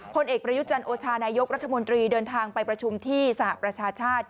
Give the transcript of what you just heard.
ผลเอกประยุจันทร์โอชานายกรัฐมนตรีเดินทางไปประชุมที่สหประชาชาติ